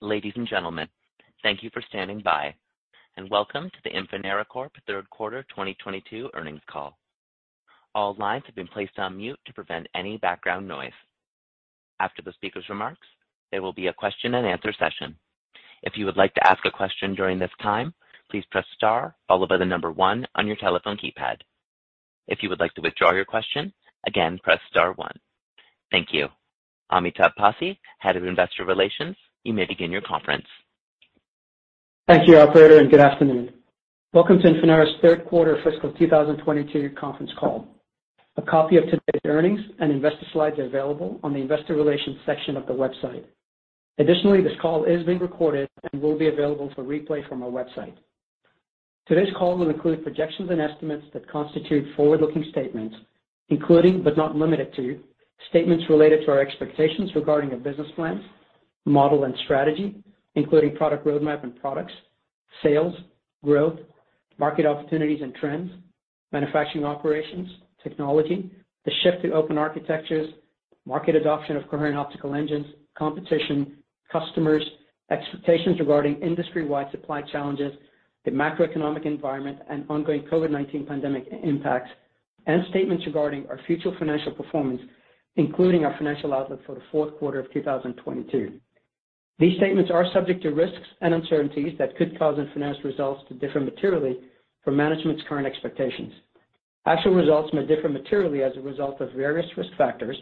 Ladies and gentlemen, thank you for standing by, and welcome to the Infinera Corporation Third Quarter 2022 earnings call. All lines have been placed on mute to prevent any background noise. After the speaker's remarks, there will be a question and answer session. If you would like to ask a question during this time, please press star followed by the number 1 on your telephone keypad. If you would like to withdraw your question, again, press star 1. Thank you. Amitabh Passi, Head of Investor Relations, you may begin your conference. Thank you, operator, and good afternoon. Welcome to Infinera's third quarter fiscal 2022 conference call. A copy of today's earnings and investor slides are available on the investor relations section of the website. Additionally, this call is being recorded and will be available for replay from our website. Today's call will include projections and estimates that constitute forward-looking statements, including, but not limited to, statements related to our expectations regarding our business plans, model, and strategy, including product roadmap and products, sales, growth, market opportunities and trends, manufacturing operations, technology, the shift to open architectures, market adoption of coherent optical engines, competition, customers, expectations regarding industry-wide supply challenges, the macroeconomic environment, and ongoing COVID-19 pandemic impacts, and statements regarding our future financial performance, including our financial outlook for the fourth quarter of 2022. These statements are subject to risks and uncertainties that could cause Infinera's results to differ materially from management's current expectations. Actual results may differ materially as a result of various risk factors,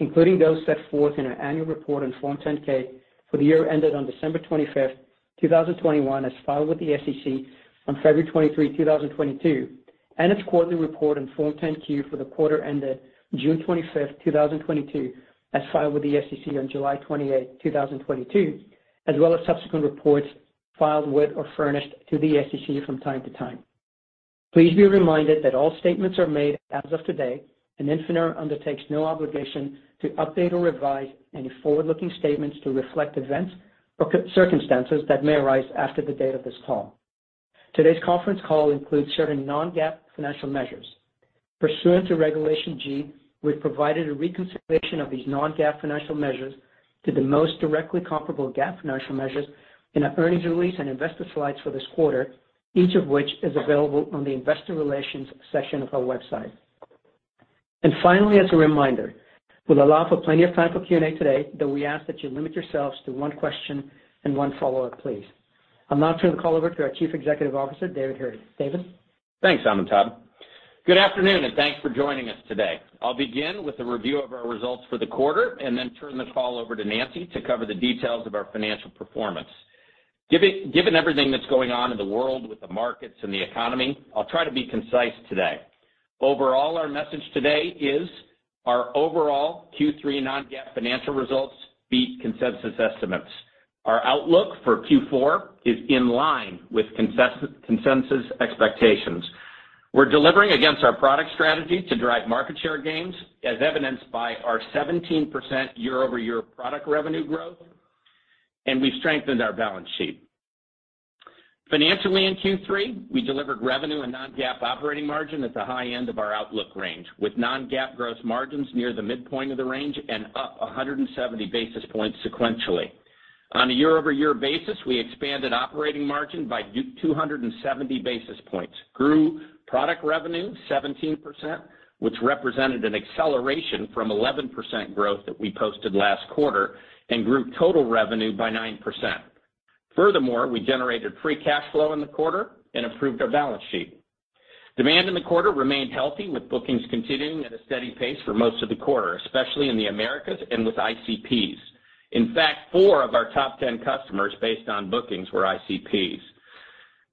including those set forth in our annual report on Form 10-K for the year ended on December 25, 2021 as filed with the SEC on February 23, 2022, and its quarterly report on Form 10-Q for the quarter ended June 25, 2022, as filed with the SEC on July 28, 2022, as well as subsequent reports filed with or furnished to the SEC from time to time. Please be reminded that all statements are made as of today, and Infinera undertakes no obligation to update or revise any forward-looking statements to reflect events or circumstances that may arise after the date of this call. Today's conference call includes certain non-GAAP financial measures. Pursuant to Regulation G, we've provided a reconciliation of these non-GAAP financial measures to the most directly comparable GAAP financial measures in our earnings release and investor slides for this quarter, each of which is available on the investor relations section of our website. Finally, as a reminder, we'll allow for plenty of time for Q&A today, though we ask that you limit yourselves to one question and one follow-up, please. I'll now turn the call over to our Chief Executive Officer, David Heard. David? Thanks, Amitabh. Good afternoon, and thanks for joining us today. I'll begin with a review of our results for the quarter, and then turn the call over to Nancy to cover the details of our financial performance. Given everything that's going on in the world with the markets and the economy, I'll try to be concise today. Overall, our message today is our overall Q3 non-GAAP financial results beat consensus estimates. Our outlook for Q4 is in line with consensus expectations. We're delivering against our product strategy to drive market share gains, as evidenced by our 17% year-over-year product revenue growth, and we've strengthened our balance sheet. Financially in Q3, we delivered revenue and non-GAAP operating margin at the high end of our outlook range, with non-GAAP gross margins near the midpoint of the range and up 170 basis points sequentially. On a year-over-year basis, we expanded operating margin by 270 basis points, grew product revenue 17%, which represented an acceleration from 11% growth that we posted last quarter, and grew total revenue by 9%. Furthermore, we generated free cash flow in the quarter and improved our balance sheet. Demand in the quarter remained healthy, with bookings continuing at a steady pace for most of the quarter, especially in the Americas and with ICPs. In fact, four of our top 10 customers based on bookings were ICPs.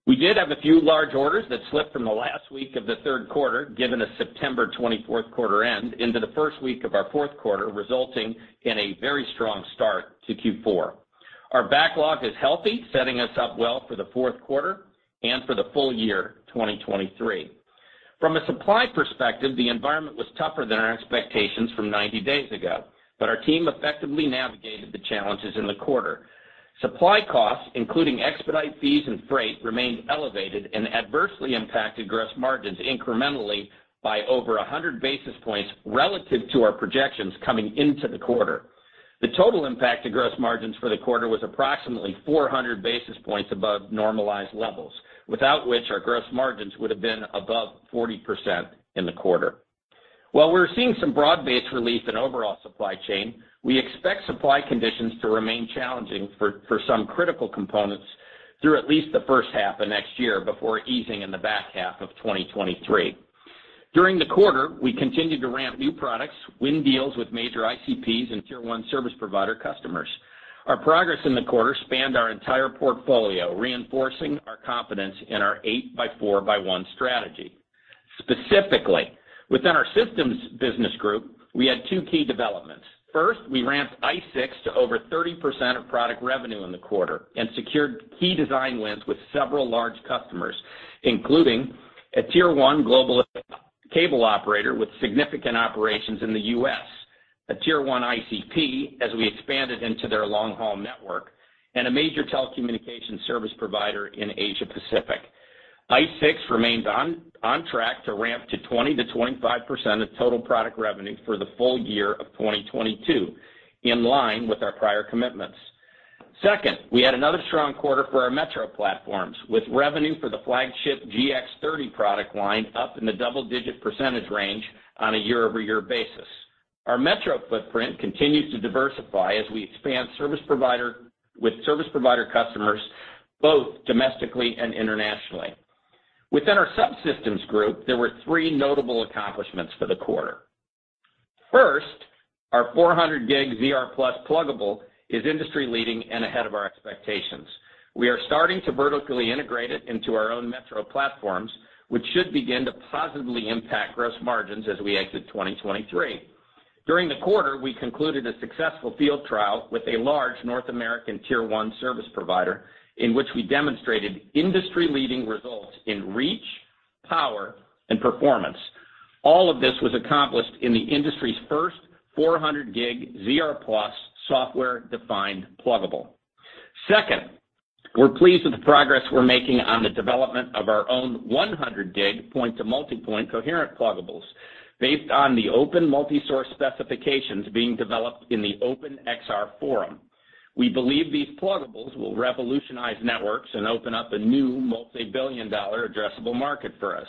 We did have a few large orders that slipped from the last week of the third quarter, given a September 24th quarter end into the first week of our fourth quarter, resulting in a very strong start to Q4. Our backlog is healthy, setting us up well for the fourth quarter and for the full year 2023. From a supply perspective, the environment was tougher than our expectations from 90 days ago, but our team effectively navigated the challenges in the quarter. Supply costs, including expedite fees and freight, remained elevated and adversely impacted gross margins incrementally by over 100 basis points relative to our projections coming into the quarter. The total impact to gross margins for the quarter was approximately 400 basis points above normalized levels, without which our gross margins would have been above 40% in the quarter. While we're seeing some broad-based relief in overall supply chain, we expect supply conditions to remain challenging for some critical components through at least the first half of next year before easing in the back half of 2023. During the quarter, we continued to ramp new products, win deals with major ICPs and tier one service provider customers. Our progress in the quarter spanned our entire portfolio, reinforcing our confidence in our 8x4x1 strategy. Specifically, within our systems business group, we had two key developments. First, we ramped ICE6 to over 30% of product revenue in the quarter and secured key design wins with several large customers, including a tier one global cable operator with significant operations in the U.S., a tier one ICP as we expanded into their long-haul network, and a major telecommunications service provider in Asia Pacific. ICE6 remains on track to ramp to 20%-25% of total product revenue for the full year of 2022, in line with our prior commitments. Second, we had another strong quarter for our metro platforms, with revenue for the flagship GX G30 product line up in the double-digit percentage range on a year-over-year basis. Our metro footprint continues to diversify as we expand with service provider customers, both domestically and internationally. Within our subsystems group, there were three notable accomplishments for the quarter. First, our 400G ZR+ pluggable is industry-leading and ahead of our expectations. We are starting to vertically integrate it into our own metro platforms, which should begin to positively impact gross margins as we exit 2023. During the quarter, we concluded a successful field trial with a large North American tier one service provider, in which we demonstrated industry-leading results in reach, power, and performance. All of this was accomplished in the industry's first 400G ZR+ software-defined pluggable. Second, we're pleased with the progress we're making on the development of our own 100 gig point-to-multipoint coherent pluggables based on the open multi-source specifications being developed in the Open XR Forum. We believe these pluggables will revolutionize networks and open up a new multi-billion-dollar addressable market for us.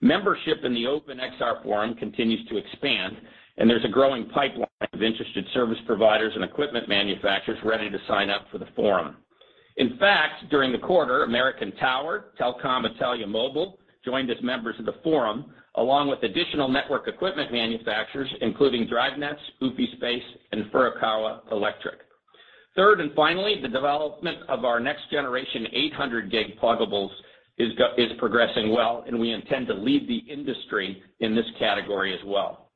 Membership in the Open XR Forum continues to expand, and there's a growing pipeline of interested service providers and equipment manufacturers ready to sign up for the forum. In fact, during the quarter, American Tower, Telecom Italia Mobile joined as members of the forum, along with additional network equipment manufacturers, including DriveNets, UfiSpace, and Furukawa Electric. Third, and finally, the development of our next-generation 800 gig pluggables is progressing well, and we intend to lead the industry in this category as well.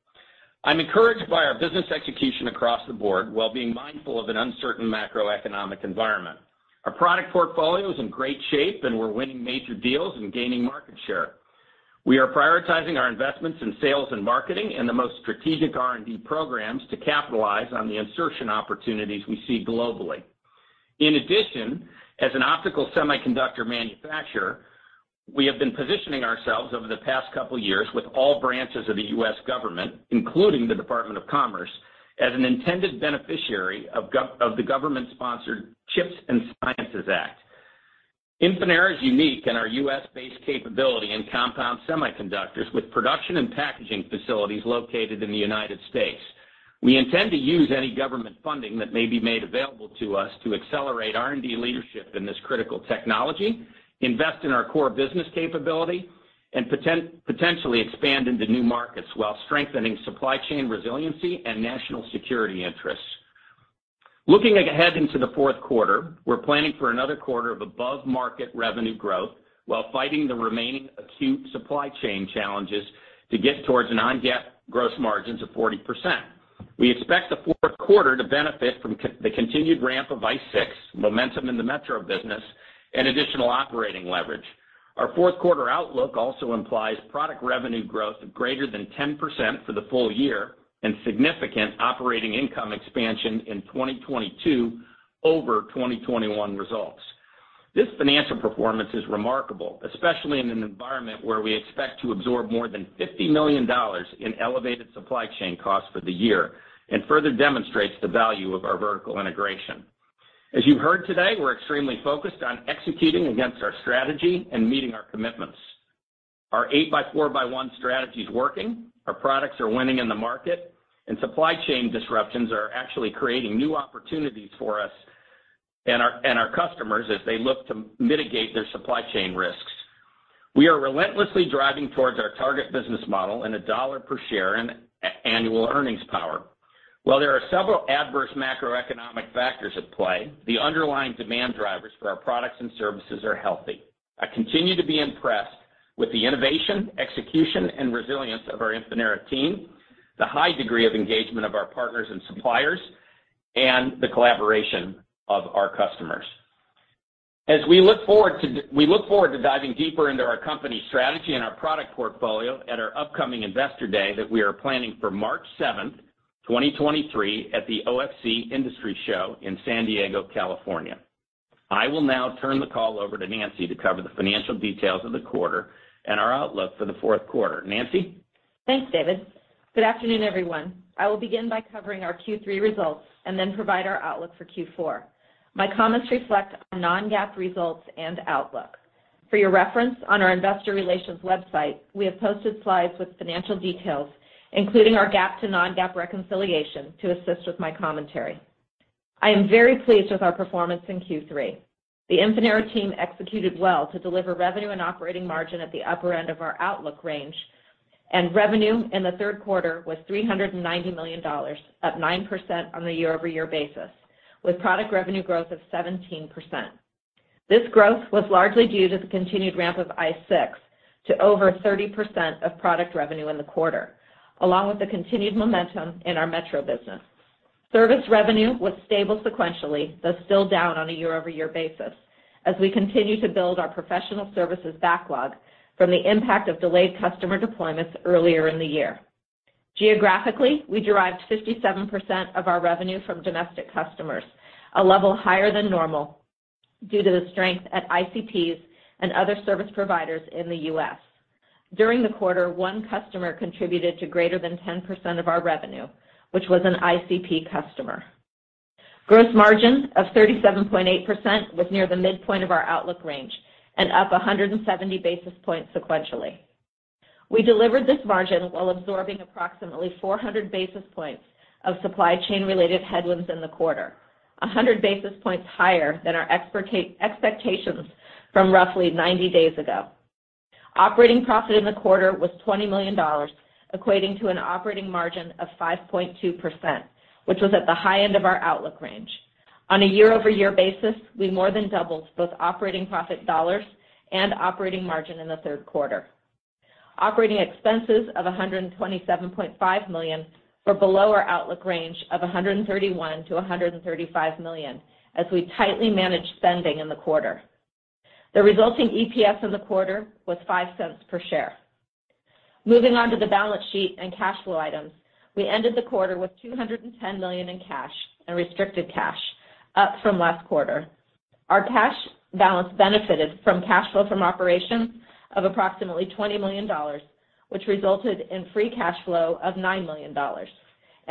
I'm encouraged by our business execution across the board while being mindful of an uncertain macroeconomic environment. Our product portfolio is in great shape, and we're winning major deals and gaining market share. We are prioritizing our investments in sales and marketing and the most strategic R&D programs to capitalize on the insertion opportunities we see globally. In addition, as an optical semiconductor manufacturer, we have been positioning ourselves over the past couple of years with all branches of the U.S. government, including the Department of Commerce, as an intended beneficiary of the government-sponsored CHIPS and Science Act. Infinera is unique in our U.S.-based capability in compound semiconductors with production and packaging facilities located in the United States. We intend to use any government funding that may be made available to us to accelerate R&D leadership in this critical technology, invest in our core business capability, and potentially expand into new markets while strengthening supply chain resiliency and national security interests. Looking ahead into the fourth quarter, we're planning for another quarter of above-market revenue growth while fighting the remaining acute supply chain challenges to get towards non-GAAP gross margins of 40%. We expect the fourth quarter to benefit from the continued ramp of ICE6, momentum in the metro business, and additional operating leverage. Our fourth quarter outlook also implies product revenue growth of greater than 10% for the full year and significant operating income expansion in 2022 over 2021 results. This financial performance is remarkable, especially in an environment where we expect to absorb more than $50 million in elevated supply chain costs for the year and further demonstrates the value of our vertical integration. As you've heard today, we're extremely focused on executing against our strategy and meeting our commitments. Our 8x4x1 strategy is working, our products are winning in the market, and supply chain disruptions are actually creating new opportunities for us and our customers as they look to mitigate their supply chain risks. We are relentlessly driving towards our target business model and $1 per share in annual earnings power. While there are several adverse macroeconomic factors at play, the underlying demand drivers for our products and services are healthy. I continue to be impressed with the innovation, execution, and resilience of our Infinera team, the high degree of engagement of our partners and suppliers, and the collaboration of our customers. As we look forward to diving deeper into our company strategy and our product portfolio at our upcoming Investor Day that we are planning for March 7th, 2023 at the OFC Industry Show in San Diego, California. I will now turn the call over to Nancy to cover the financial details of the quarter and our outlook for the fourth quarter. Nancy? Thanks, David. Good afternoon, everyone. I will begin by covering our Q3 results and then provide our outlook for Q4. My comments reflect our non-GAAP results and outlook. For your reference, on our investor relations website, we have posted slides with financial details, including our GAAP to non-GAAP reconciliation to assist with my commentary. I am very pleased with our performance in Q3. The Infinera team executed well to deliver revenue and operating margin at the upper end of our outlook range, and revenue in the third quarter was $390 million, up 9% on a year-over-year basis, with product revenue growth of 17%. This growth was largely due to the continued ramp of ICE6 to over 30% of product revenue in the quarter, along with the continued momentum in our metro business. Service revenue was stable sequentially, though still down on a year-over-year basis, as we continue to build our professional services backlog from the impact of delayed customer deployments earlier in the year. Geographically, we derived 57% of our revenue from domestic customers, a level higher than normal due to the strength at ICPs and other service providers in the U.S. During the quarter, one customer contributed to greater than 10% of our revenue, which was an ICP customer. Gross margin of 37.8% was near the midpoint of our outlook range and up 170 basis points sequentially. We delivered this margin while absorbing approximately 400 basis points of supply chain related headwinds in the quarter, 100 basis points higher than our expectations from roughly 90 days ago. Operating profit in the quarter was $20 million, equating to an operating margin of 5.2%, which was at the high end of our outlook range. On a year-over-year basis, we more than doubled both operating profit dollars and operating margin in the third quarter. Operating expenses of $127.5 million were below our outlook range of $131 million-$135 million, as we tightly managed spending in the quarter. The resulting EPS in the quarter was $0.05 per share. Moving on to the balance sheet and cash flow items. We ended the quarter with $210 million in cash and restricted cash, up from last quarter. Our cash balance benefited from cash flow from operations of approximately $20 million, which resulted in free cash flow of $9 million.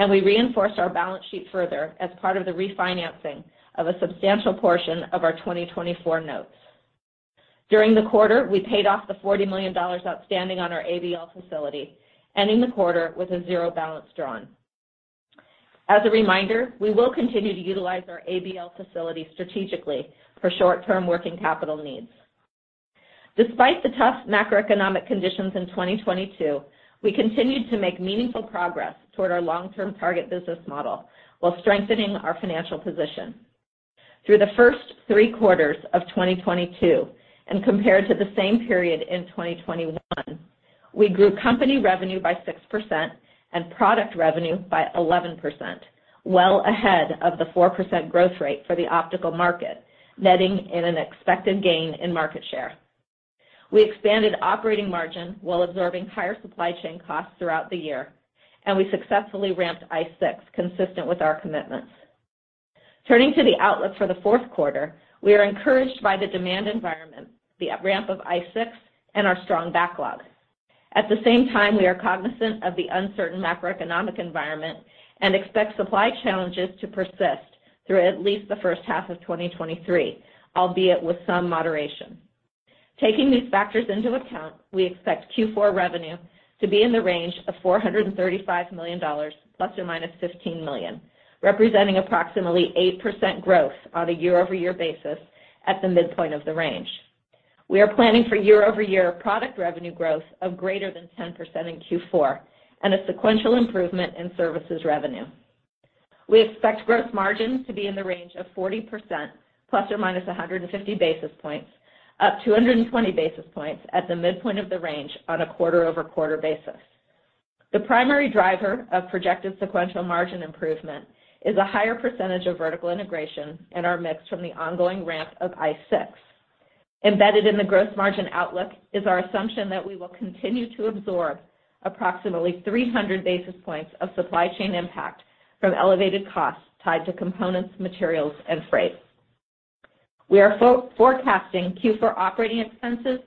We reinforced our balance sheet further as part of the refinancing of a substantial portion of our 2024 notes. During the quarter, we paid off the $40 million outstanding on our ABL facility, ending the quarter with a 0 balance drawn. As a reminder, we will continue to utilize our ABL facility strategically for short-term working capital needs. Despite the tough macroeconomic conditions in 2022, we continued to make meaningful progress toward our long-term target business model while strengthening our financial position. Through the first three quarters of 2022 and compared to the same period in 2021, we grew company revenue by 6% and product revenue by 11%, well ahead of the 4% growth rate for the optical market, netting an expected gain in market share. We expanded operating margin while absorbing higher supply chain costs throughout the year, and we successfully ramped ICE6 consistent with our commitments. Turning to the outlook for the fourth quarter, we are encouraged by the demand environment, the ramp of ICE6, and our strong backlog. At the same time, we are cognizant of the uncertain macroeconomic environment and expect supply challenges to persist through at least the first half of 2023, albeit with some moderation. Taking these factors into account, we expect Q4 revenue to be in the range of $435 million ±$15 million, representing approximately 8% growth on a year-over-year basis at the midpoint of the range. We are planning for year-over-year product revenue growth of greater than 10% in Q4 and a sequential improvement in services revenue. We expect gross margin to be in the range of 40% ±150 basis points, up 220 basis points at the midpoint of the range on a quarter-over-quarter basis. The primary driver of projected sequential margin improvement is a higher percentage of vertical integration in our mix from the ongoing ramp of ICE6. Embedded in the gross margin outlook is our assumption that we will continue to absorb approximately 300 basis points of supply chain impact from elevated costs tied to components, materials, and freight. We are forecasting Q4 operating expenses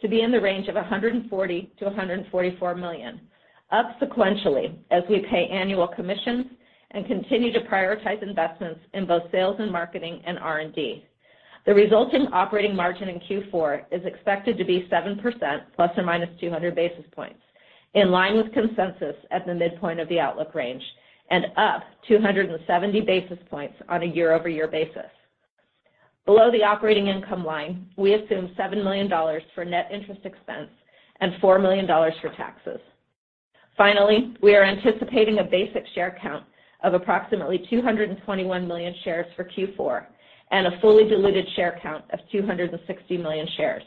to be in the range of $140 million-$144 million, up sequentially as we pay annual commissions and continue to prioritize investments in both sales and marketing and R&D. The resulting operating margin in Q4 is expected to be 7% ±200 basis points, in line with consensus at the midpoint of the outlook range, and up 270 basis points on a year-over-year basis. Below the operating income line, we assume $7 million for net interest expense and $4 million for taxes. Finally, we are anticipating a basic share count of approximately 221 million shares for Q4 and a fully diluted share count of 260 million shares.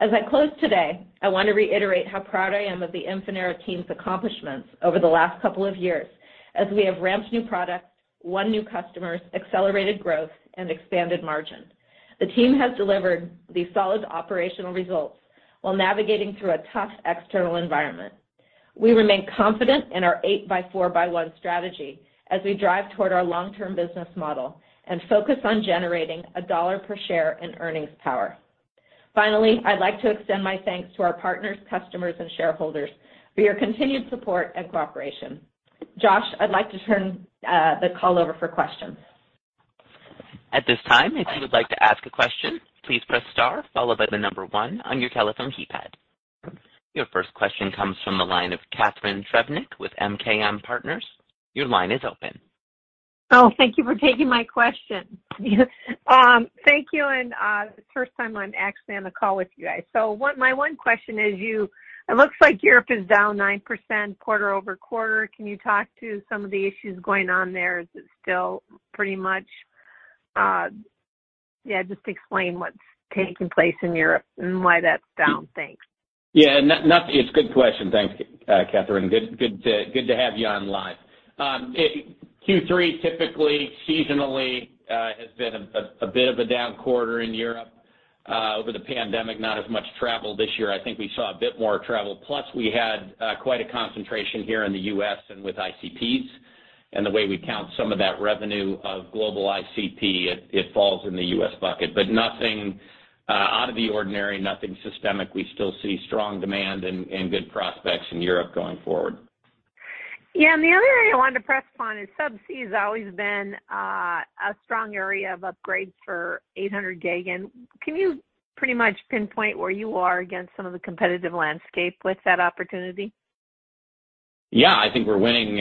As I close today, I want to reiterate how proud I am of the Infinera team's accomplishments over the last couple of years as we have ramped new products, won new customers, accelerated growth, and expanded margin. The team has delivered these solid operational results while navigating through a tough external environment. We remain confident in our eight-by-four-by-one strategy as we drive toward our long-term business model and focus on generating $1 per share in earnings power. Finally, I'd like to extend my thanks to our partners, customers, and shareholders for your continued support and cooperation. Josh, I'd like to turn the call over for questions. At this time, if you would like to ask a question, please press star followed by the number one on your telephone keypad. Your first question comes from the line of Catharine Trebnick with MKM Partners. Your line is open. Thank you for taking my question. Thank you, and first time I'm actually on the call with you guys. My one question is it looks like Europe is down 9% quarter-over-quarter. Can you talk to some of the issues going on there? Is it still pretty much just explain what's taking place in Europe and why that's down. Thanks. Yeah. It's a good question. Thanks, Catharine. Good to have you on the line. Q3 typically seasonally has been a bit of a down quarter in Europe. Over the pandemic, not as much travel this year. I think we saw a bit more travel, plus we had quite a concentration here in the U.S. and with ICPs and the way we count some of that revenue of global ICP, it falls in the U.S. bucket. Nothing out of the ordinary, nothing systemic. We still see strong demand and good prospects in Europe going forward. The other area I wanted to press upon is subsea has always been a strong area of upgrades for 800 gig. Can you pretty much pinpoint where you are against some of the competitive landscape with that opportunity? Yeah, I think we're winning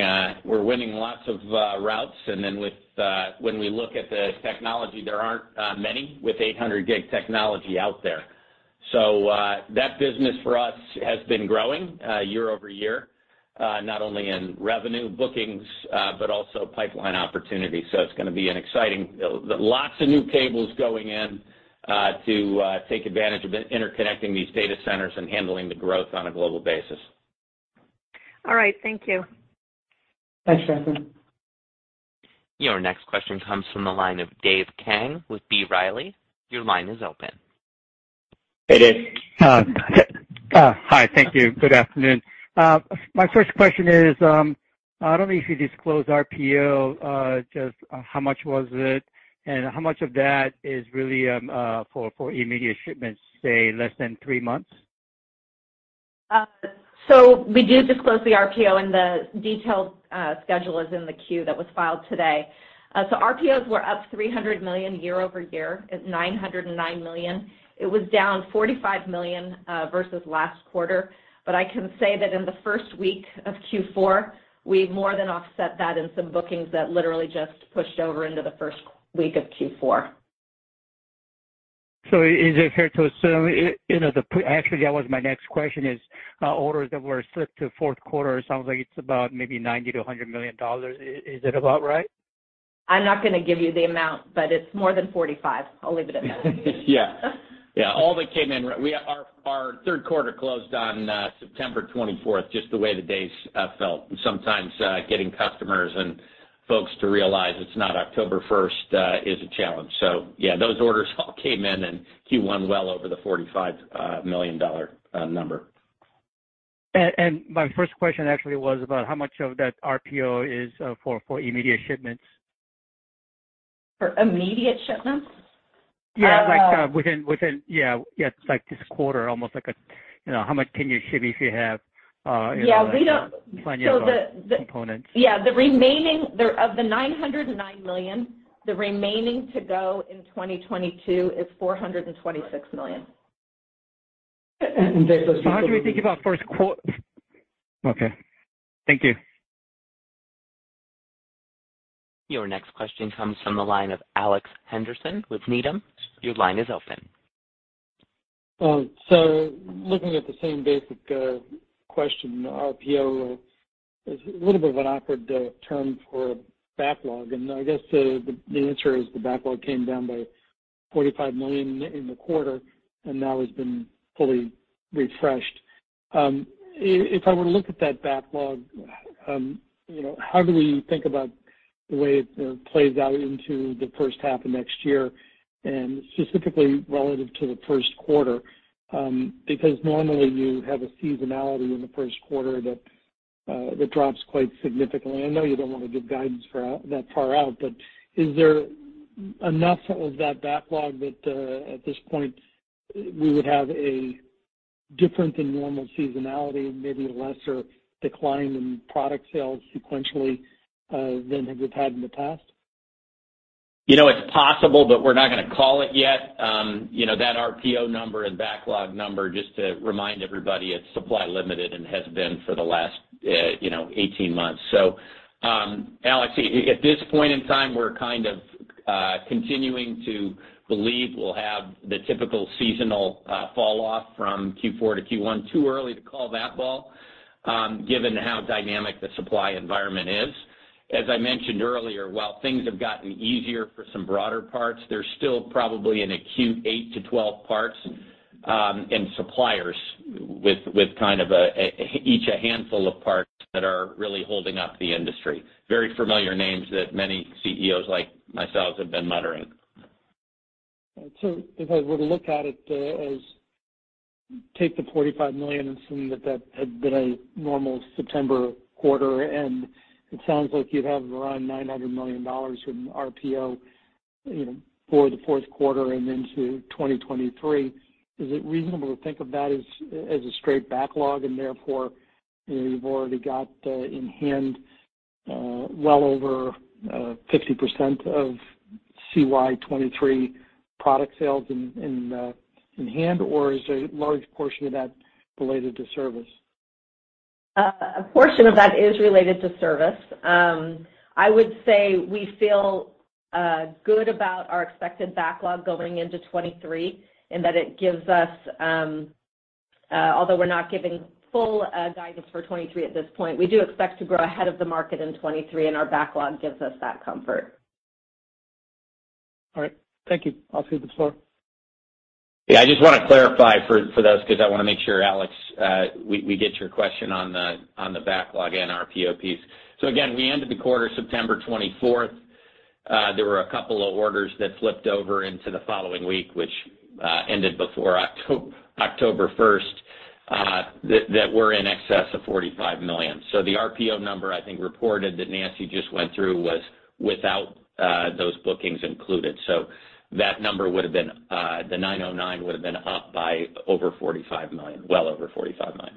lots of routes. Then when we look at the technology, there aren't many with 800 gig technology out there. That business for us has been growing year-over-year, not only in revenue bookings, but also pipeline opportunities. It's gonna be lots of new cables going in to take advantage of interconnecting these data centers and handling the growth on a global basis. All right, thank you. Thanks, Catharine. Your next question comes from the line of Dave Kang with B. Riley. Your line is open. Hey, Dave. Hi. Thank you. Good afternoon. My first question is, I don't know if you disclose RPO, just how much was it and how much of that is really, for immediate shipments, say less than three months? We do disclose the RPO and the detailed schedule is in the 10-Q that was filed today. RPOs were up $300 million year-over-year at $909 million. It was down $45 million versus last quarter. I can say that in the first week of Q4, we've more than offset that in some bookings that literally just pushed over into the first week of Q4. Is it fair to assume, you know, actually, that was my next question is, orders that were slipped to fourth quarter, it sounds like it's about maybe $90 million-$100 million. Is it about right? I'm not gonna give you the amount, but it's more than 45. I'll leave it at that. Yeah. All that came in. Our third quarter closed on September twenty-fourth, just the way the days felt. Sometimes getting customers and folks to realize it's not October first is a challenge. Yeah, those orders all came in and Q3 well over the $45 million number. My first question actually was about how much of that RPO is for immediate shipments. For immediate shipments? Like, within, yeah, it's like this quarter, almost like a, you know, how much can you ship if you have, you know, like, financial components. The remaining of the $909 million to go in 2022 is $426 million. Dave, those- How do we think about first quarter? Okay. Thank you. Your next question comes from the line of Alex Henderson with Needham. Your line is open. Looking at the same basic question, RPO is a little bit of an awkward term for backlog, and I guess the answer is the backlog came down by $45 million in the quarter and now has been fully refreshed. If I were to look at that backlog, you know, how do we think about the way it plays out into the first half of next year and specifically relative to the first quarter? Because normally you have a seasonality in the first quarter that drops quite significantly. I know you don't want to give guidance for that far out, but is there enough of that backlog that at this point we would have a different than normal seasonality, maybe a lesser decline in product sales sequentially than we've had in the past? You know, it's possible, but we're not gonna call it yet. You know, that RPO number and backlog number, just to remind everybody, it's supply limited and has been for the last 18 months. Alex, at this point in time, we're kind of continuing to believe we'll have the typical seasonal fall off from Q4 to Q1. Too early to call that ball, given how dynamic the supply environment is. As I mentioned earlier, while things have gotten easier for some broader parts, there's still probably an acute 8-12 parts, and suppliers with each a handful of parts that are really holding up the industry. Very familiar names that many CEOs like myself have been muttering. If I were to look at it as take the $45 million and assume that that had been a normal September quarter, and it sounds like you'd have around $900 million in RPO, you know, for the fourth quarter and into 2023. Is it reasonable to think of that as a straight backlog and therefore you've already got in hand well over 50% of CY 2023 product sales in hand, or is a large portion of that related to service? A portion of that is related to service. I would say we feel good about our expected backlog going into 2023 and that it gives us, although we're not giving full guidance for 2023 at this point, we do expect to grow ahead of the market in 2023, and our backlog gives us that comfort. All right. Thank you. I'll cede the floor. Yeah, I just want to clarify for those, because I want to make sure, Alex, we get your question on the backlog and RPO piece. Again, we ended the quarter September 24. There were a couple of orders that slipped over into the following week, which ended before October 1, that were in excess of $45 million. The RPO number, I think, reported that Nancy just went through was without those bookings included. That number would have been the $909 million would have been up by over $45 million, well over $45 million.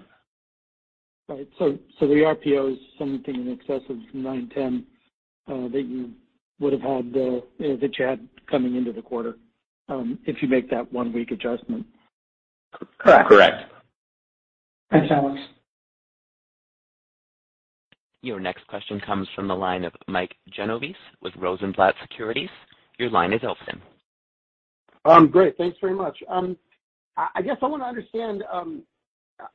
All right. The RPO is something in excess of 910 that you had coming into the quarter, if you make that one-week adjustment. Correct. Thanks, Alex. Your next question comes from the line of Mike Genovese with Rosenblatt Securities. Your line is open. Great. Thanks very much. I guess I want to understand.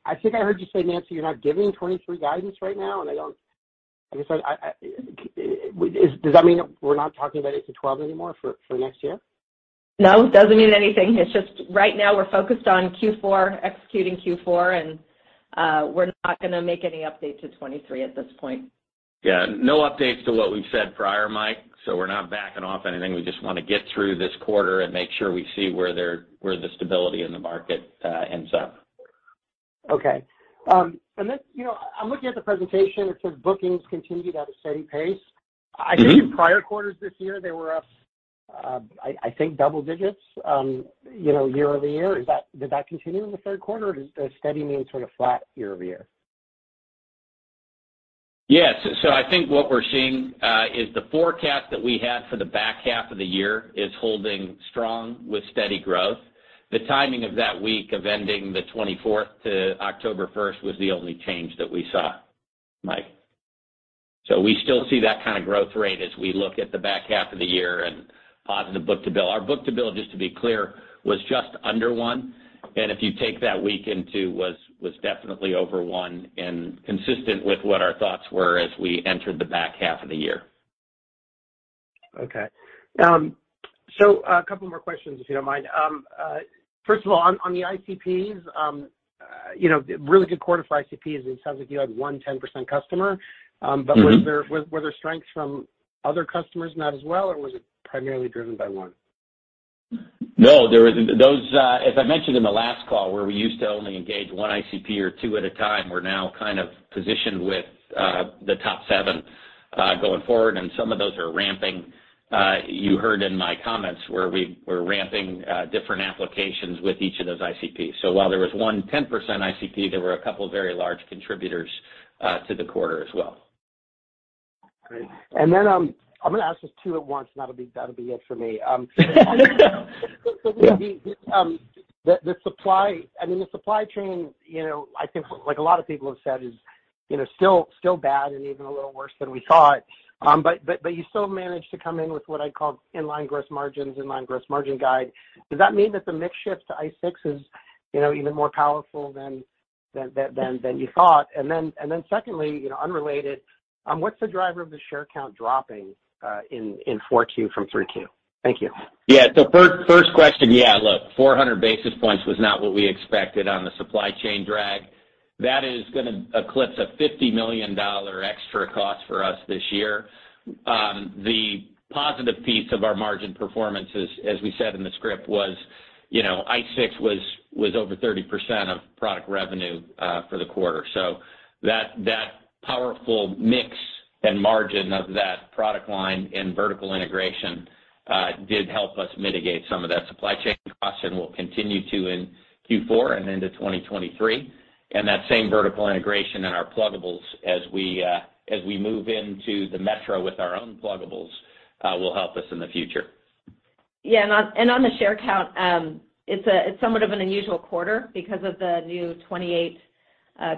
I think I heard you say, Nancy, you're not giving 2023 guidance right now, and I don't. I guess. Does that mean that we're not talking about 8-12 anymore for next year? No, it doesn't mean anything. It's just right now we're focused on Q4, executing Q4, and we're not gonna make any update to 2023 at this point. Yeah. No updates to what we've said prior, Mike. We're not backing off anything. We just wanna get through this quarter and make sure we see where the stability in the market ends up. Okay. You know, I'm looking at the presentation. It says, "Bookings continued at a steady pace. Mm-hmm. I think in prior quarters this year, they were up, I think double digits, you know, year-over-year. Did that continue in the third quarter, or does steady mean sort of flat year-over-year? Yes. I think what we're seeing is the forecast that we had for the back half of the year is holding strong with steady growth. The timing of that week ending the 24th to October 1 was the only change that we saw, Mike. We still see that kind of growth rate as we look at the back half of the year and positive book-to-bill. Our book-to-bill, just to be clear, was just under one. If you take that week into account, it was definitely over one and consistent with what our thoughts were as we entered the back half of the year. Okay. A couple more questions, if you don't mind. First of all, on the ICPs, you know, really good quarter for ICPs, and it sounds like you had one 10% customer. Mm-hmm. Were there strengths from other customers as well, or was it primarily driven by one? No, there wasn't. Those, as I mentioned in the last call, where we used to only engage one ICP or two at a time, we're now kind of positioned with, the top seven, going forward, and some of those are ramping. You heard in my comments where we're ramping, different applications with each of those ICPs. While there was one 10% ICP, there were a couple of very large contributors, to the quarter as well. Great. I'm gonna ask this 2 at once, and that'll be it for me. The supply chain, you know, I think like a lot of people have said, is, you know, still bad and even a little worse than we thought. But you still managed to come in with what I'd call in-line gross margins, in-line gross margin guide. Does that mean that the mix shift to ICE6 is, you know, even more powerful than you thought? Secondly, you know, unrelated, what's the driver of the share count dropping in 4Q from 3Q? Thank you. First question. 400 basis points was not what we expected on the supply chain drag. That is gonna eclipse a $50 million extra cost for us this year. The positive piece of our margin performance is, as we said in the script, you know, ICE6 was over 30% of product revenue for the quarter. That powerful mix and margin of that product line and vertical integration did help us mitigate some of that supply chain cost and will continue to in Q4 and into 2023. That same vertical integration in our pluggables as we move into the metro with our own pluggables will help us in the future. Yeah. On the share count, it's somewhat of an unusual quarter because of the new 28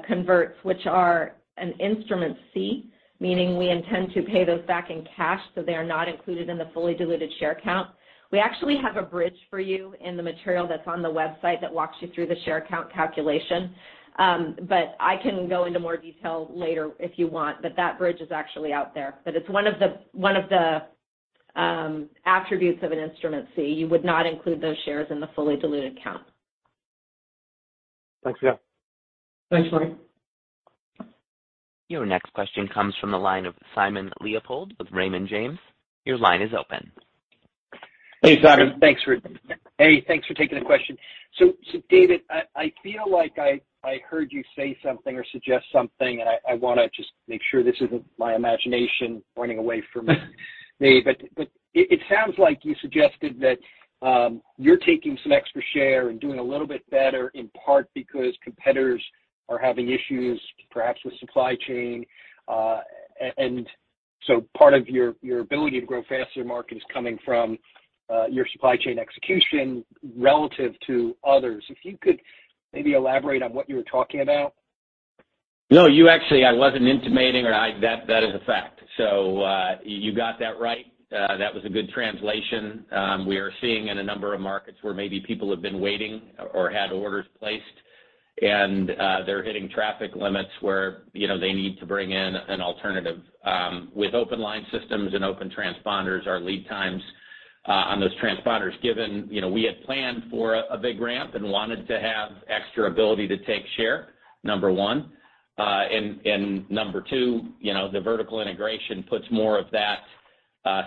converts, which are an Instrument C, meaning we intend to pay those back in cash, so they are not included in the fully diluted share count. We actually have a bridge for you in the material that's on the website that walks you through the share count calculation. I can go into more detail later if you want, but that bridge is actually out there. It's one of the attributes of an Instrument C. You would not include those shares in the fully diluted count. Thanks. Yeah. Thanks, Mike. Your next question comes from the line of Simon Leopold with Raymond James. Your line is open. Hey, Simon. Thanks for taking the question. David, I feel like I heard you say something or suggest something, and I wanna just make sure this isn't my imagination running away from me. It sounds like you suggested that you're taking some extra share and doing a little bit better, in part because competitors are having issues, perhaps with supply chain. Part of your ability to grow faster market is coming from your supply chain execution relative to others. If you could maybe elaborate on what you were talking about. No, you actually I wasn't intimating or I-- That is a fact. You got that right. That was a good translation. We are seeing in a number of markets where maybe people have been waiting or had orders placed, and they're hitting traffic limits where, you know, they need to bring in an alternative. With open line systems and open transponders, our lead times on those transponders, given we had planned for a big ramp and wanted to have extra ability to take share, number one. And number two, you know, the vertical integration puts more of that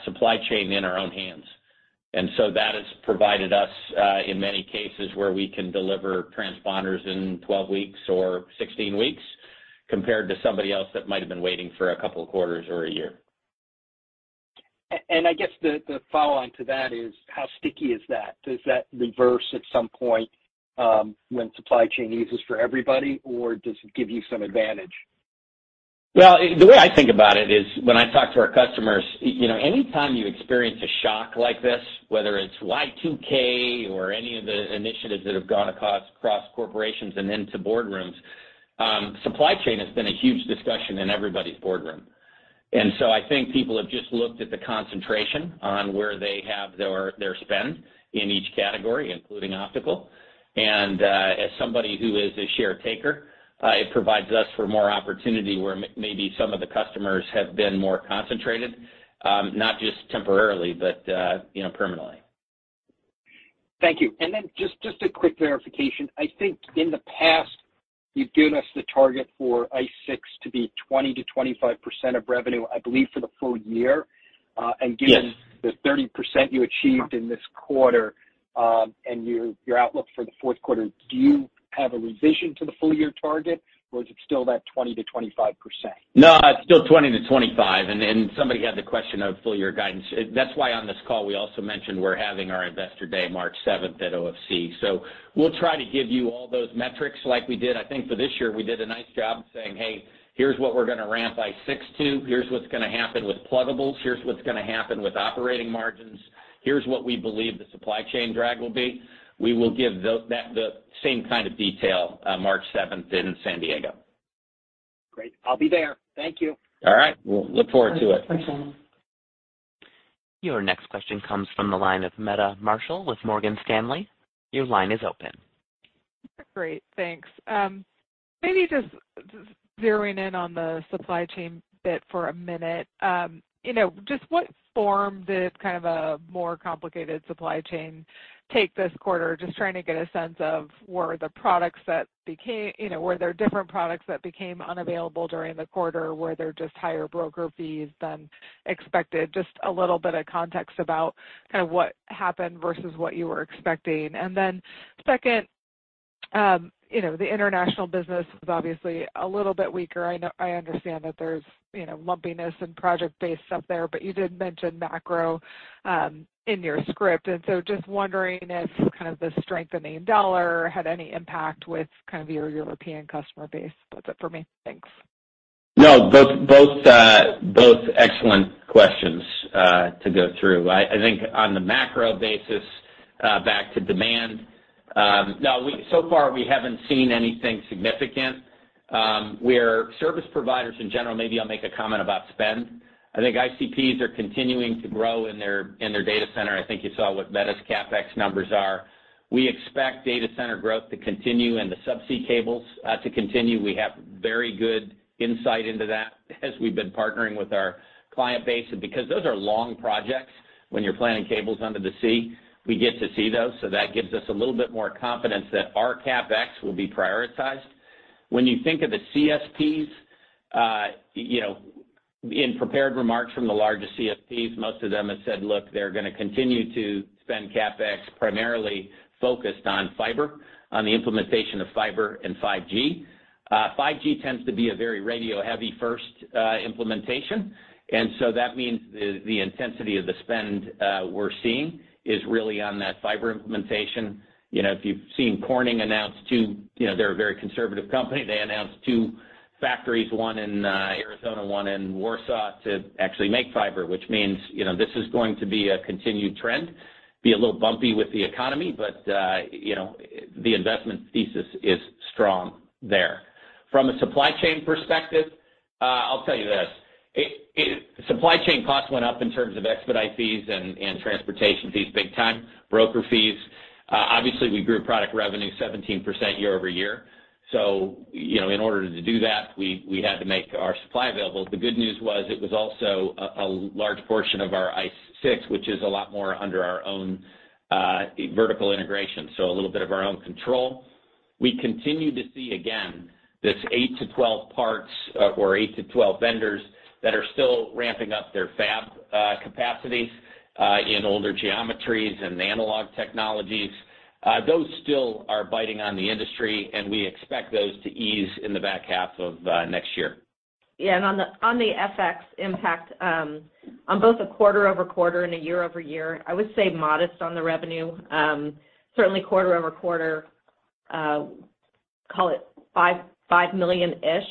supply chain in our own hands. That has provided us, in many cases where we can deliver transponders in 12 weeks or 16 weeks compared to somebody else that might have been waiting for a couple quarters or a year. I guess the follow on to that is how sticky is that? Does that reverse at some point, when supply chain eases for everybody, or does it give you some advantage? Well, the way I think about it is when I talk to our customers, you know, anytime you experience a shock like this, whether it's Y2K or any of the initiatives that have gone across corporations and into boardrooms, supply chain has been a huge discussion in everybody's boardroom. I think people have just looked at the concentration on where they have their spend in each category, including optical. As somebody who is a share taker, it provides us for more opportunity where maybe some of the customers have been more concentrated, not just temporarily, but you know, permanently. Thank you. Just a quick clarification. I think in the past, you've given us the target for ICE6 to be 20%-25% of revenue, I believe, for the full year. Yes. Given the 30% you achieved in this quarter, and your outlook for the fourth quarter, do you have a revision to the full year target or is it still that 20%-25%? No, it's still 20-25. Somebody had the question of full year guidance. That's why on this call we also mentioned we're having our investor day March 7 at OFC. We'll try to give you all those metrics like we did. I think for this year we did a nice job of saying, "Hey, here's what we're gonna ramp ICE6 to. Here's what's gonna happen with pluggables. Here's what's gonna happen with operating margins. Here's what we believe the supply chain drag will be." We will give the same kind of detail March 7 in San Diego. Great. I'll be there. Thank you. All right. We'll look forward to it. Your next question comes from the line of Meta Marshall with Morgan Stanley. Your line is open. Great. Thanks. Maybe just zeroing in on the supply chain bit for a minute. You know, just what form did kind of a more complicated supply chain take this quarter? Just trying to get a sense of were there different products that became unavailable during the quarter? Were there just higher broker fees than expected? Just a little bit of context about kind of what happened versus what you were expecting. Second, you know, the international business was obviously a little bit weaker. I know I understand that there's, you know, lumpiness and project base stuff there, but you did mention macro in your script. Just wondering if kind of the strengthening dollar had any impact with kind of your European customer base. That's it for me. Thanks. No, both excellent questions to go through. I think on the macro basis, back to demand, no, so far we haven't seen anything significant. We're service providers in general. Maybe I'll make a comment about spend. I think ICPs are continuing to grow in their data center. I think you saw what Meta's CapEx numbers are. We expect data center growth to continue and the subsea cables to continue. We have very good insight into that as we've been partnering with our client base. Because those are long projects when you're planting cables under the sea, we get to see those. That gives us a little bit more confidence that our CapEx will be prioritized. When you think of the CSPs, you know, in prepared remarks from the largest CSPs, most of them have said, look, they're gonna continue to spend CapEx primarily focused on fiber, on the implementation of fiber and 5G. 5G tends to be a very radio-heavy first implementation, and so that means the intensity of the spend we're seeing is really on that fiber implementation. You know, if you've seen Corning, you know, they're a very conservative company. They announced 2 factories, one in Arizona, one in Warsaw, to actually make fiber, which means, you know, this is going to be a continued trend. It'll be a little bumpy with the economy, but you know, the investment thesis is strong there. From a supply chain perspective, I'll tell you this, supply chain costs went up in terms of expedite fees and transportation fees big time, broker fees. Obviously we grew product revenue 17% year-over-year. You know, in order to do that, we had to make our supply available. The good news was it was also a large portion of our ICE6, which is a lot more under our own vertical integration, so a little bit of our own control. We continue to see, again, this 8-12 parts or 8-12 vendors that are still ramping up their fab capacities in older geometries and analog technologies. Those still are biting on the industry, and we expect those to ease in the back half of next year. Yeah. On the FX impact, on both a quarter-over-quarter and a year-over-year, I would say modest on the revenue. Certainly quarter-over-quarter, call it $5 million-ish.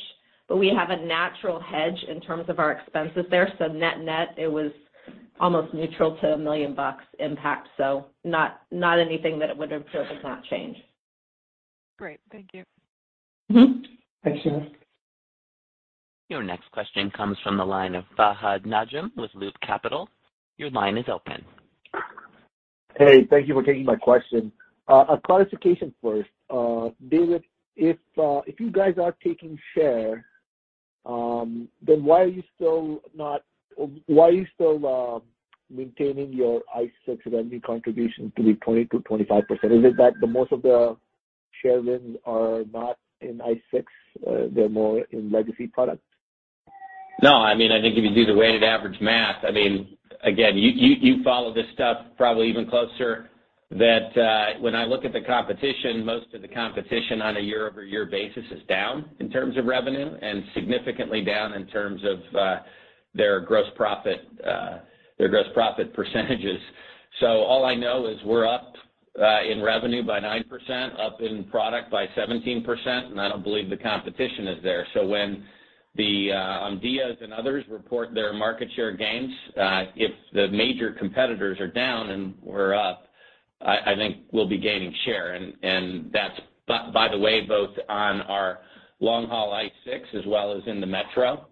We have a natural hedge in terms of our expenses there. Net-net, it was almost neutral to a $1 million impact, so not anything that it would have significantly changed. Great. Thank you. Mm-hmm. Your next question comes from the line of Fahad Najam with Loop Capital. Your line is open. Hey, thank you for taking my question. A clarification first. David, if you guys are taking share, then why are you still maintaining your ICE6 revenue contribution to be 20%-25%? Is it that the most of the share wins are not in ICE6, they're more in legacy products? No, I mean, I think if you do the weighted average math, I mean, again, you follow this stuff probably even closer than when I look at the competition, most of the competition on a year-over-year basis is down in terms of revenue and significantly down in terms of their gross profit, their gross profit percentages. All I know is we're up in revenue by 9%, up in product by 17%, and I don't believe the competition is there. When the Omdia and others report their market share gains, if the major competitors are down and we're up, I think we'll be gaining share. That's by the way both on our long-haul ICE6 as well as in the metro,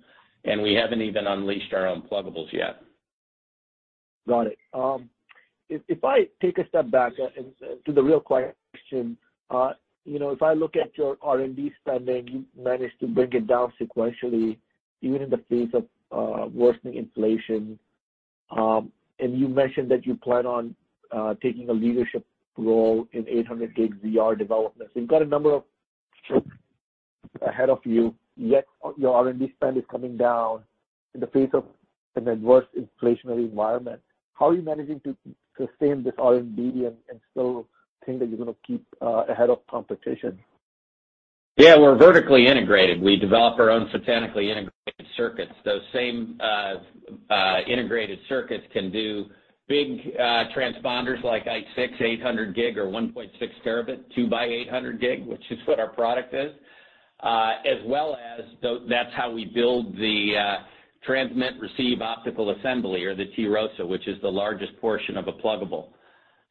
and we haven't even unleashed our own pluggables yet. Got it. If I take a step back to the real question, you know, if I look at your R&D spending, you managed to bring it down sequentially, even in the face of worsening inflation. You mentioned that you plan on taking a leadership role in 800G ZR development. You've got a number of tricks ahead of you, yet your R&D spend is coming down in the face of an adverse inflationary environment. How are you managing to sustain this R&D and still think that you're gonna keep ahead of competition? Yeah, we're vertically integrated. We develop our own photonically integrated circuits. Those same integrated circuits can do big transponders like ICE6 800 gig or 1.6 terabit, 2 by 800 gig, which is what our product is. As well as that's how we build the transmit receive optical assembly or the TROSA, which is the largest portion of a pluggable.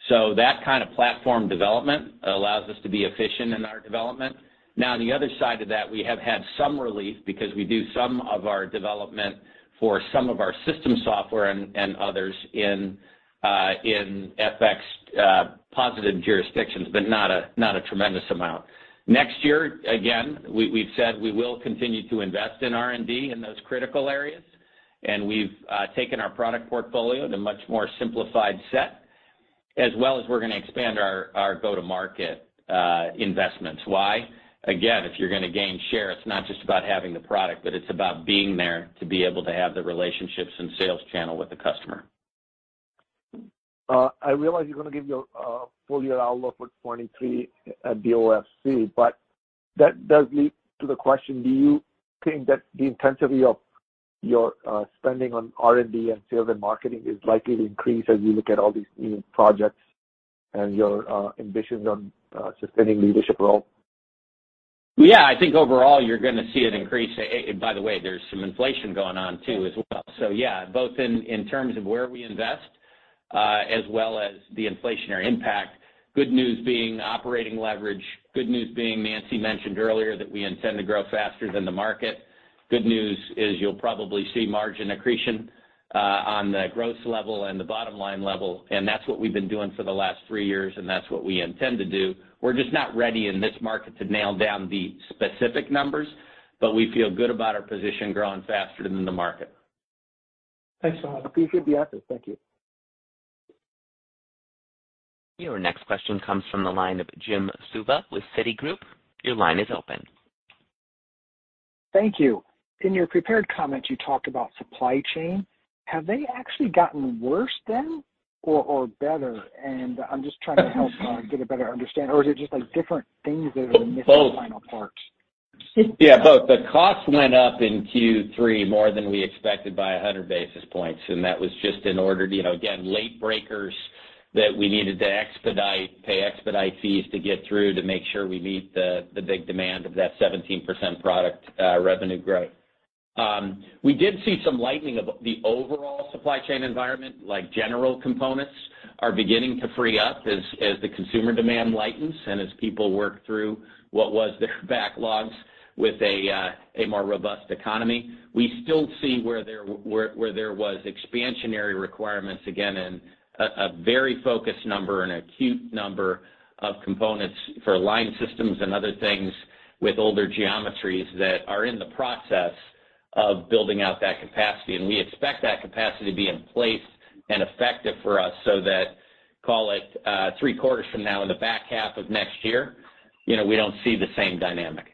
So that kind of platform development allows us to be efficient in our development. Now, the other side to that, we have had some relief because we do some of our development for some of our system software and others in FX positive jurisdictions, but not a tremendous amount. Next year, again, we've said we will continue to invest in R&D in those critical areas, and we've taken our product portfolio to a much more simplified set, as well as we're gonna expand our go-to-market investments. Why? Again, if you're gonna gain share, it's not just about having the product, but it's about being there to be able to have the relationships and sales channel with the customer. I realize you're gonna give your full year outlook for 2023 at OFC, but that does lead to the question, do you think that the intensity of your spending on R&D and sales and marketing is likely to increase as you look at all these new projects and your ambitions on sustaining leadership role? Yeah. I think overall, you're gonna see an increase. By the way, there's some inflation going on too as well. Yeah, both in terms of where we invest, as well as the inflationary impact. Good news being operating leverage, good news being Nancy mentioned earlier that we intend to grow faster than the market. Good news is you'll probably see margin accretion, on the gross level and the bottom-line level, and that's what we've been doing for the last three years, and that's what we intend to do. We're just not ready in this market to nail down the specific numbers, but we feel good about our position growing faster than the market. Thanks so much. Appreciate the update. Thank you. Your next question comes from the line of Jim Suva with Citigroup. Your line is open. Thank you. In your prepared comments, you talked about supply chain. Have they actually gotten worse than or better? I'm just trying to help get a better understanding. Is it just like different things that are missing final parts? Both. Yeah, both. The costs went up in Q3 more than we expected by 100 basis points, and that was just in order, you know, again, late breakers that we needed to expedite, pay expedite fees to get through to make sure we meet the big demand of that 17% product revenue growth. We did see some lightening of the overall supply chain environment, like general components are beginning to free up as the consumer demand lightens and as people work through what was their backlogs with a more robust economy. We still see where there was expansionary requirements, again, in a very focused number and acute number of components for line systems and other things with older geometries that are in the process of building out that capacity. We expect that capacity to be in place and effective for us so that call it, three quarters from now in the back half of next year, you know, we don't see the same dynamic.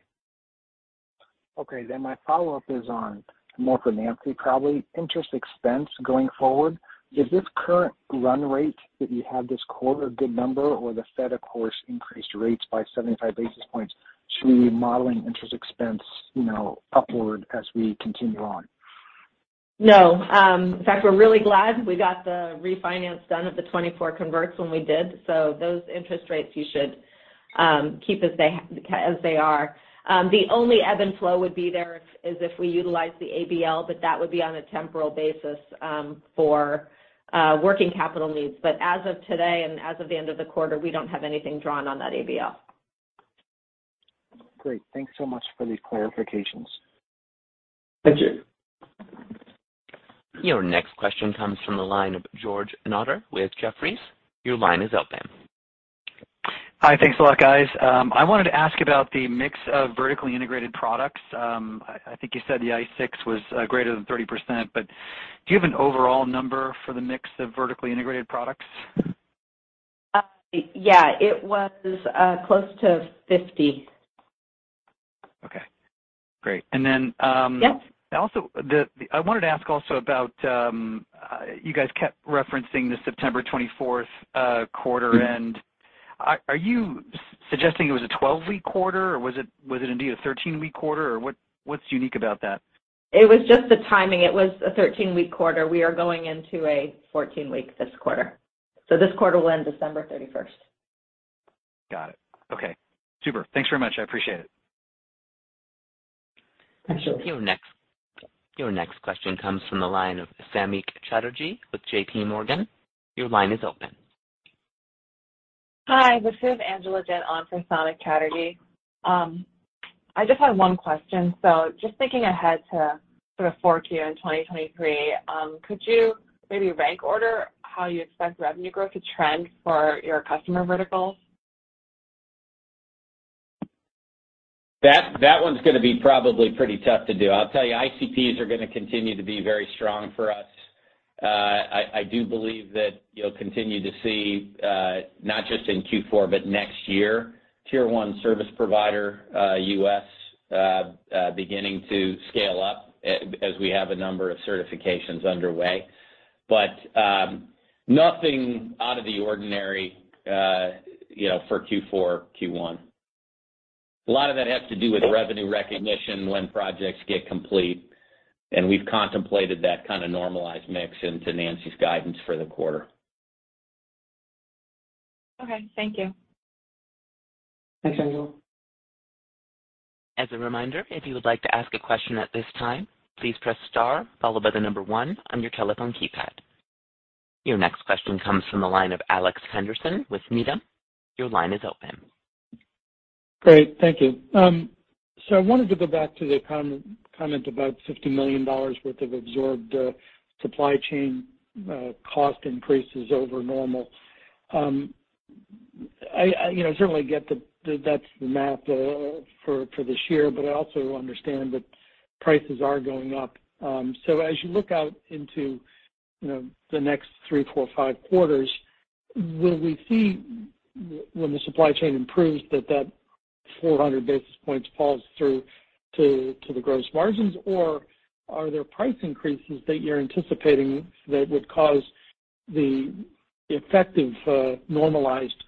Okay, my follow-up is on more for Nancy, probably. Interest expense going forward, is this current run rate that you have this quarter a good number? Or the Fed, of course, increased rates by 75 basis points, should we be modeling interest expense, you know, upward as we continue on? No. In fact, we're really glad we got the refinance done at the 2024 converts when we did. Those interest rates you should keep as they are. The only ebb and flow would be there if we utilize the ABL, but that would be on a temporary basis for working capital needs. As of today and as of the end of the quarter, we don't have anything drawn on that ABL. Great. Thank you so much for these clarifications. Thank you. Your next question comes from the line of George Notter with Jefferies. Your line is open. Hi. Thanks a lot, guys. I wanted to ask about the mix of vertically integrated products. I think you said the ICE6 was greater than 30%, but do you have an overall number for the mix of vertically integrated products? Yeah. It was close to 50. Okay, great. Yes. Also, I wanted to ask also about, you guys kept referencing the September twenty-fourth quarter end. Are you suggesting it was a 12-week quarter, or was it indeed a 13-week quarter, or what's unique about that? It was just the timing. It was a 13-week quarter. We are going into a 14-week this quarter. This quarter will end December 31st. Got it. Okay. Super. Thanks very much. I appreciate it. Thanks, George. Your next question comes from the line of Samik Chatterjee with J.P. Morgan. Your line is open. Hi, this is Angela Lai on for Samik Chatterjee. I just have one question. Just thinking ahead to sort of 4Q in 2023, could you maybe rank order how you expect revenue growth to trend for your customer verticals? That one's gonna be probably pretty tough to do. I'll tell you, ICPs are gonna continue to be very strong for us. I do believe that you'll continue to see, not just in Q4, but next year, tier one service provider, US, beginning to scale up as we have a number of certifications underway. Nothing out of the ordinary, you know, for Q4, Q1. A lot of that has to do with revenue recognition when projects get complete, and we've contemplated that kind of normalized mix into Nancy's guidance for the quarter. Okay, thank you. Thanks, Angela. As a reminder, if you would like to ask a question at this time, please press star followed by the number one on your telephone keypad. Your next question comes from the line of Alex Henderson with Needham. Your line is open. Great. Thank you. I wanted to go back to the comment about $50 million worth of absorbed supply chain cost increases over normal. I certainly get that. That's the math for this year, but I also understand that prices are going up. As you look out into the next three, four, five quarters, will we see, when the supply chain improves, that 400 basis points falls through to the gross margins, or are there price increases that you're anticipating that would cause the effective normalized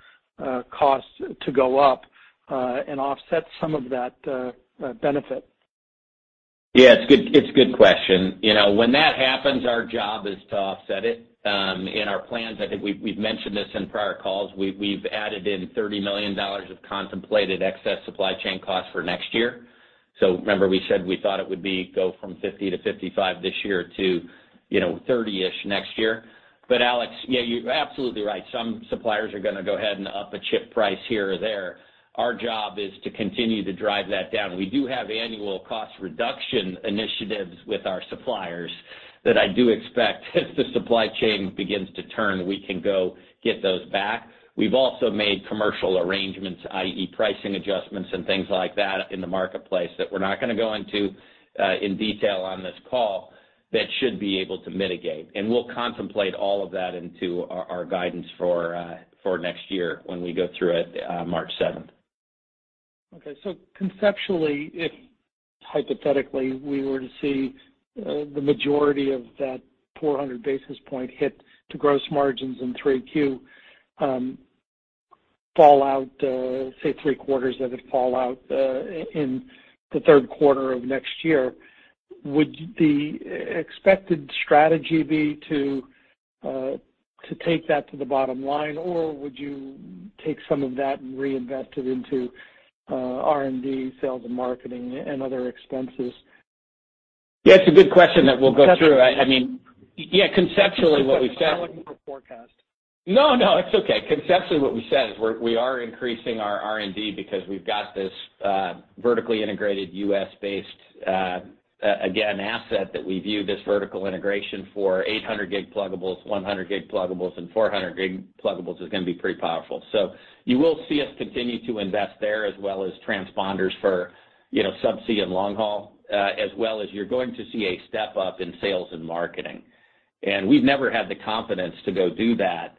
costs to go up and offset some of that benefit? Yeah, it's a good question. You know, when that happens, our job is to offset it. In our plans, I think we've mentioned this in prior calls. We've added in $30 million of contemplated excess supply chain costs for next year. Remember we said we thought it would go from $50-$55 this year to, you know, 30-ish next year. Alex, yeah, you're absolutely right. Some suppliers are gonna go ahead and up a chip price here or there. Our job is to continue to drive that down. We do have annual cost reduction initiatives with our suppliers that I do expect as the supply chain begins to turn, we can go get those back. We've also made commercial arrangements, i.e. Pricing adjustments and things like that in the marketplace that we're not gonna go into in detail on this call that should be able to mitigate. We'll contemplate all of that into our guidance for next year when we go through it, March seventh. Okay. Conceptually, if hypothetically, we were to see the majority of that 400 basis point hit to gross margins in 3Q fall out, say three quarters of it fall out in the third quarter of next year, would the expected strategy be to take that to the bottom line, or would you take some of that and reinvest it into R&D, sales and marketing, and other expenses? Yeah, it's a good question that we'll go through. I mean, yeah, conceptually what we've said. forecast. No, no, it's okay. Conceptually, what we've said is we are increasing our R&D because we've got this vertically integrated U.S.-based again asset that we view this vertical integration for 800 gig pluggables, 100 gig pluggables, and 400 gig pluggables is gonna be pretty powerful. You will see us continue to invest there as well as transponders for, you know, subsea and long haul, as well as you're going to see a step up in sales and marketing. We've never had the confidence to go do that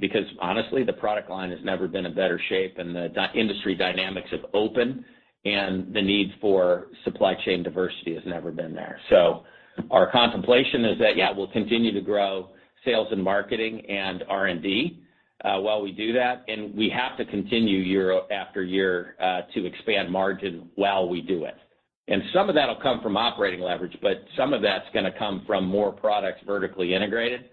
because honestly, the product line has never been in better shape, and the industry dynamics have opened, and the need for supply chain diversity has never been there. Our contemplation is that, yeah, we'll continue to grow sales and marketing and R&D while we do that, and we have to continue year after year to expand margin while we do it. Some of that'll come from operating leverage, but some of that's gonna come from more products vertically integrated.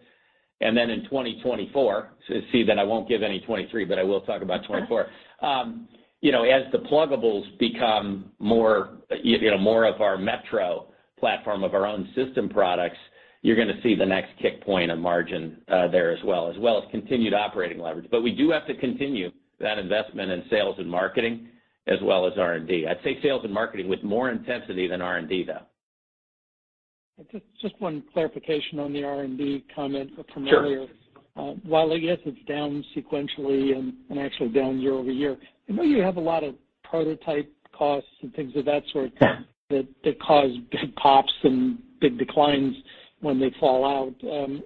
In 2024, you see, that I won't give any 2023, but I will talk about 2024. You know, as the pluggables become more, you know, more of our metro platform of our own system products, you're gonna see the next kick point of margin there as well as continued operating leverage. We do have to continue that investment in sales and marketing as well as R&D. I'd say sales and marketing with more intensity than R&D, though. Just one clarification on the R&D comment from earlier. Sure. While I guess it's down sequentially and actually down year over year, I know you have a lot of prototype costs and things of that sort. Yeah That cause big pops and big declines when they fall out. You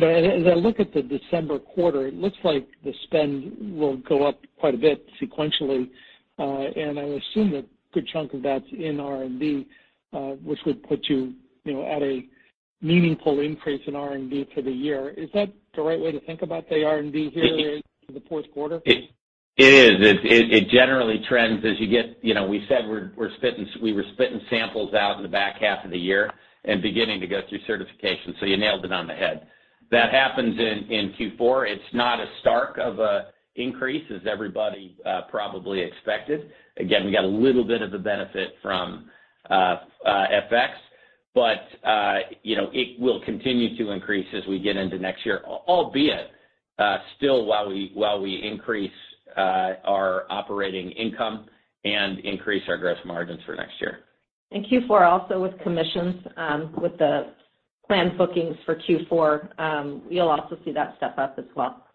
know, as I look at the December quarter, it looks like the spend will go up quite a bit sequentially, and I assume that good chunk of that's in R&D, which would put you know, at a meaningful increase in R&D for the year. Is that the right way to think about the R&D here in the fourth quarter? It is. It generally trends as you get. You know, we said we were spitting samples out in the back half of the year and beginning to go through certification. You nailed it on the head. That happens in Q4. It's not as stark of a increase as everybody probably expected. Again, we got a little bit of the benefit from FX. But you know, it will continue to increase as we get into next year, albeit still while we increase our operating income and increase our gross margins for next year. In Q4 also with commissions, with the planned bookings for Q4, you'll also see that step up as well.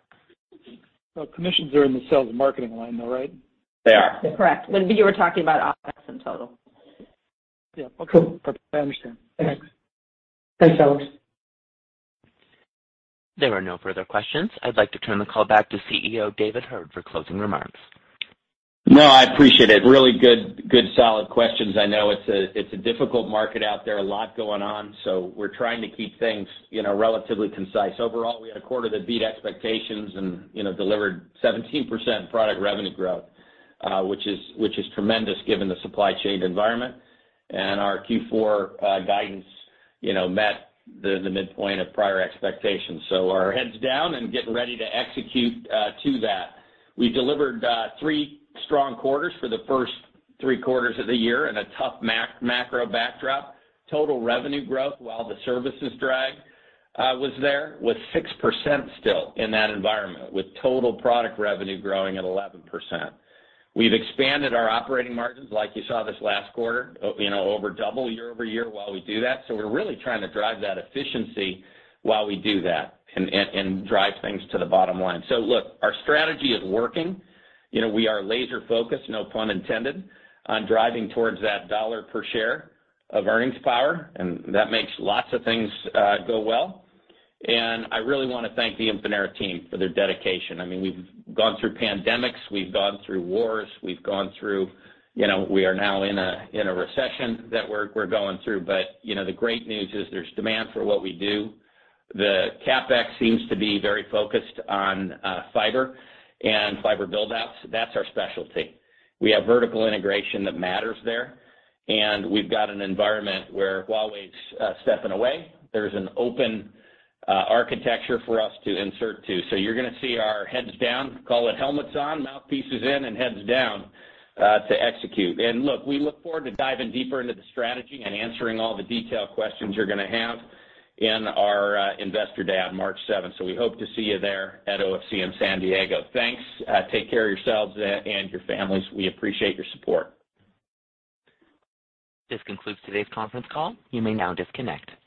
Commissions are in the sales and marketing line, though, right? They are. Correct. You were talking about OpEx in total. Yeah. Okay. Cool. I understand. Thanks. Thanks. Thanks, Alex. There are no further questions. I'd like to turn the call back to CEO David Heard for closing remarks. No, I appreciate it. Really good solid questions. I know it's a difficult market out there, a lot going on, so we're trying to keep things, you know, relatively concise. Overall, we had a quarter that beat expectations and, you know, delivered 17% product revenue growth, which is tremendous given the supply chain environment. Our Q4 guidance, you know, met the midpoint of prior expectations. We're heads down and getting ready to execute to that. We delivered three strong quarters for the first three quarters of the year in a tough macro backdrop. Total revenue growth, while the services drag was there, with 6% still in that environment, with total product revenue growing at 11%. We've expanded our operating margins like you saw this last quarter, you know, over double year-over-year while we do that. We're really trying to drive that efficiency while we do that and drive things to the bottom line. Look, our strategy is working. You know, we are laser focused, no pun intended, on driving towards that dollar per share of earnings power, and that makes lots of things go well. I really wanna thank the Infinera team for their dedication. I mean, we've gone through pandemics, we've gone through wars, we've gone through. You know, we are now in a recession that we're going through. You know, the great news is there's demand for what we do. The CapEx seems to be very focused on fiber and fiber build-outs. That's our specialty. We have vertical integration that matters there. We've got an environment where Huawei's stepping away. There's an open architecture for us to insert to. You're gonna see our heads down, call it helmets on, mouthpieces in, and heads down to execute. Look, we look forward to diving deeper into the strategy and answering all the detailed questions you're gonna have in our Investor Day on March seventh. We hope to see you there at OFC in San Diego. Thanks. Take care of yourselves and your families. We appreciate your support. This concludes today's conference call. You may now disconnect.